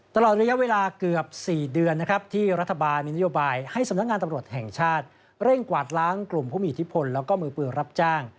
ตลอดระยะเวลาเกือบ๔เดือนนะครับที่รัฐบาลมีนโยบายให้สำนักงานตำรวจแห่งชาติเร่งกวาดล้างกลุ่มผู้มีอิทธิพลแล้วก็มือปืนรับจ้าง